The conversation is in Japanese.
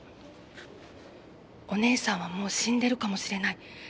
お姉さんはもう死んでるかもしれない。